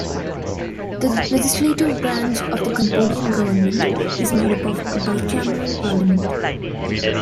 The legislative branch of the Cambodian government is made up of a bicameral parliament.